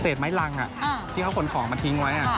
ไม้รังที่เขาขนของมาทิ้งไว้